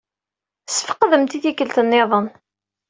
Ssfeqdemt i tikkelt nniḍen.